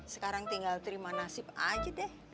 sekarang tinggal terima nasib aja deh